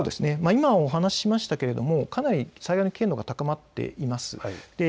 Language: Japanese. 今お話ししましたがかなり災害の危険度が高まっています。